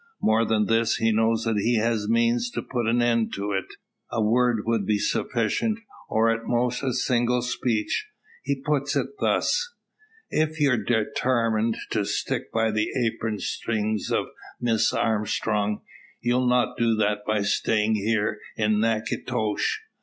More than this, he knows he has the means to put an end to it. A word will be sufficient; or, at most, a single speech. He puts it thus "If you're detarmined to stick by the apron strings o' Miss Armstrong, you'll not do that by staying here in Naketosh.